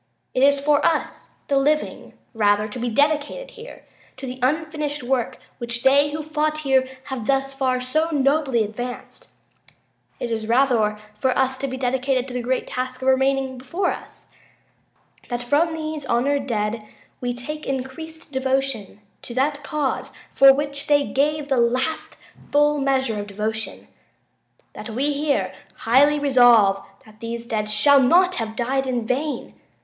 It is for us the living, rather, to be dedicated here to the unfinished work which they who fought here have thus far so nobly advanced. It is rather for us to be here dedicated to the great task remaining before us. . .that from these honored dead we take increased devotion to that cause for which they gave the last full measure of devotion. .. that we here highly resolve that these dead shall not have died in vain.